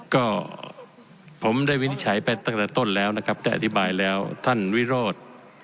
ก็ผมได้วินิจฉัยไปตั้งแต่ต้นแล้วนะครับได้อธิบายแล้วท่านวิโรธ